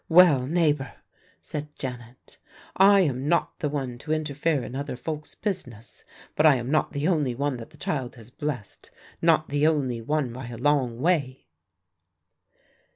"Well, neighbour," said Janet, "I am not the one to interfere in other folk's business, but I am not the only one that the child has blessed, not the only one by a long way."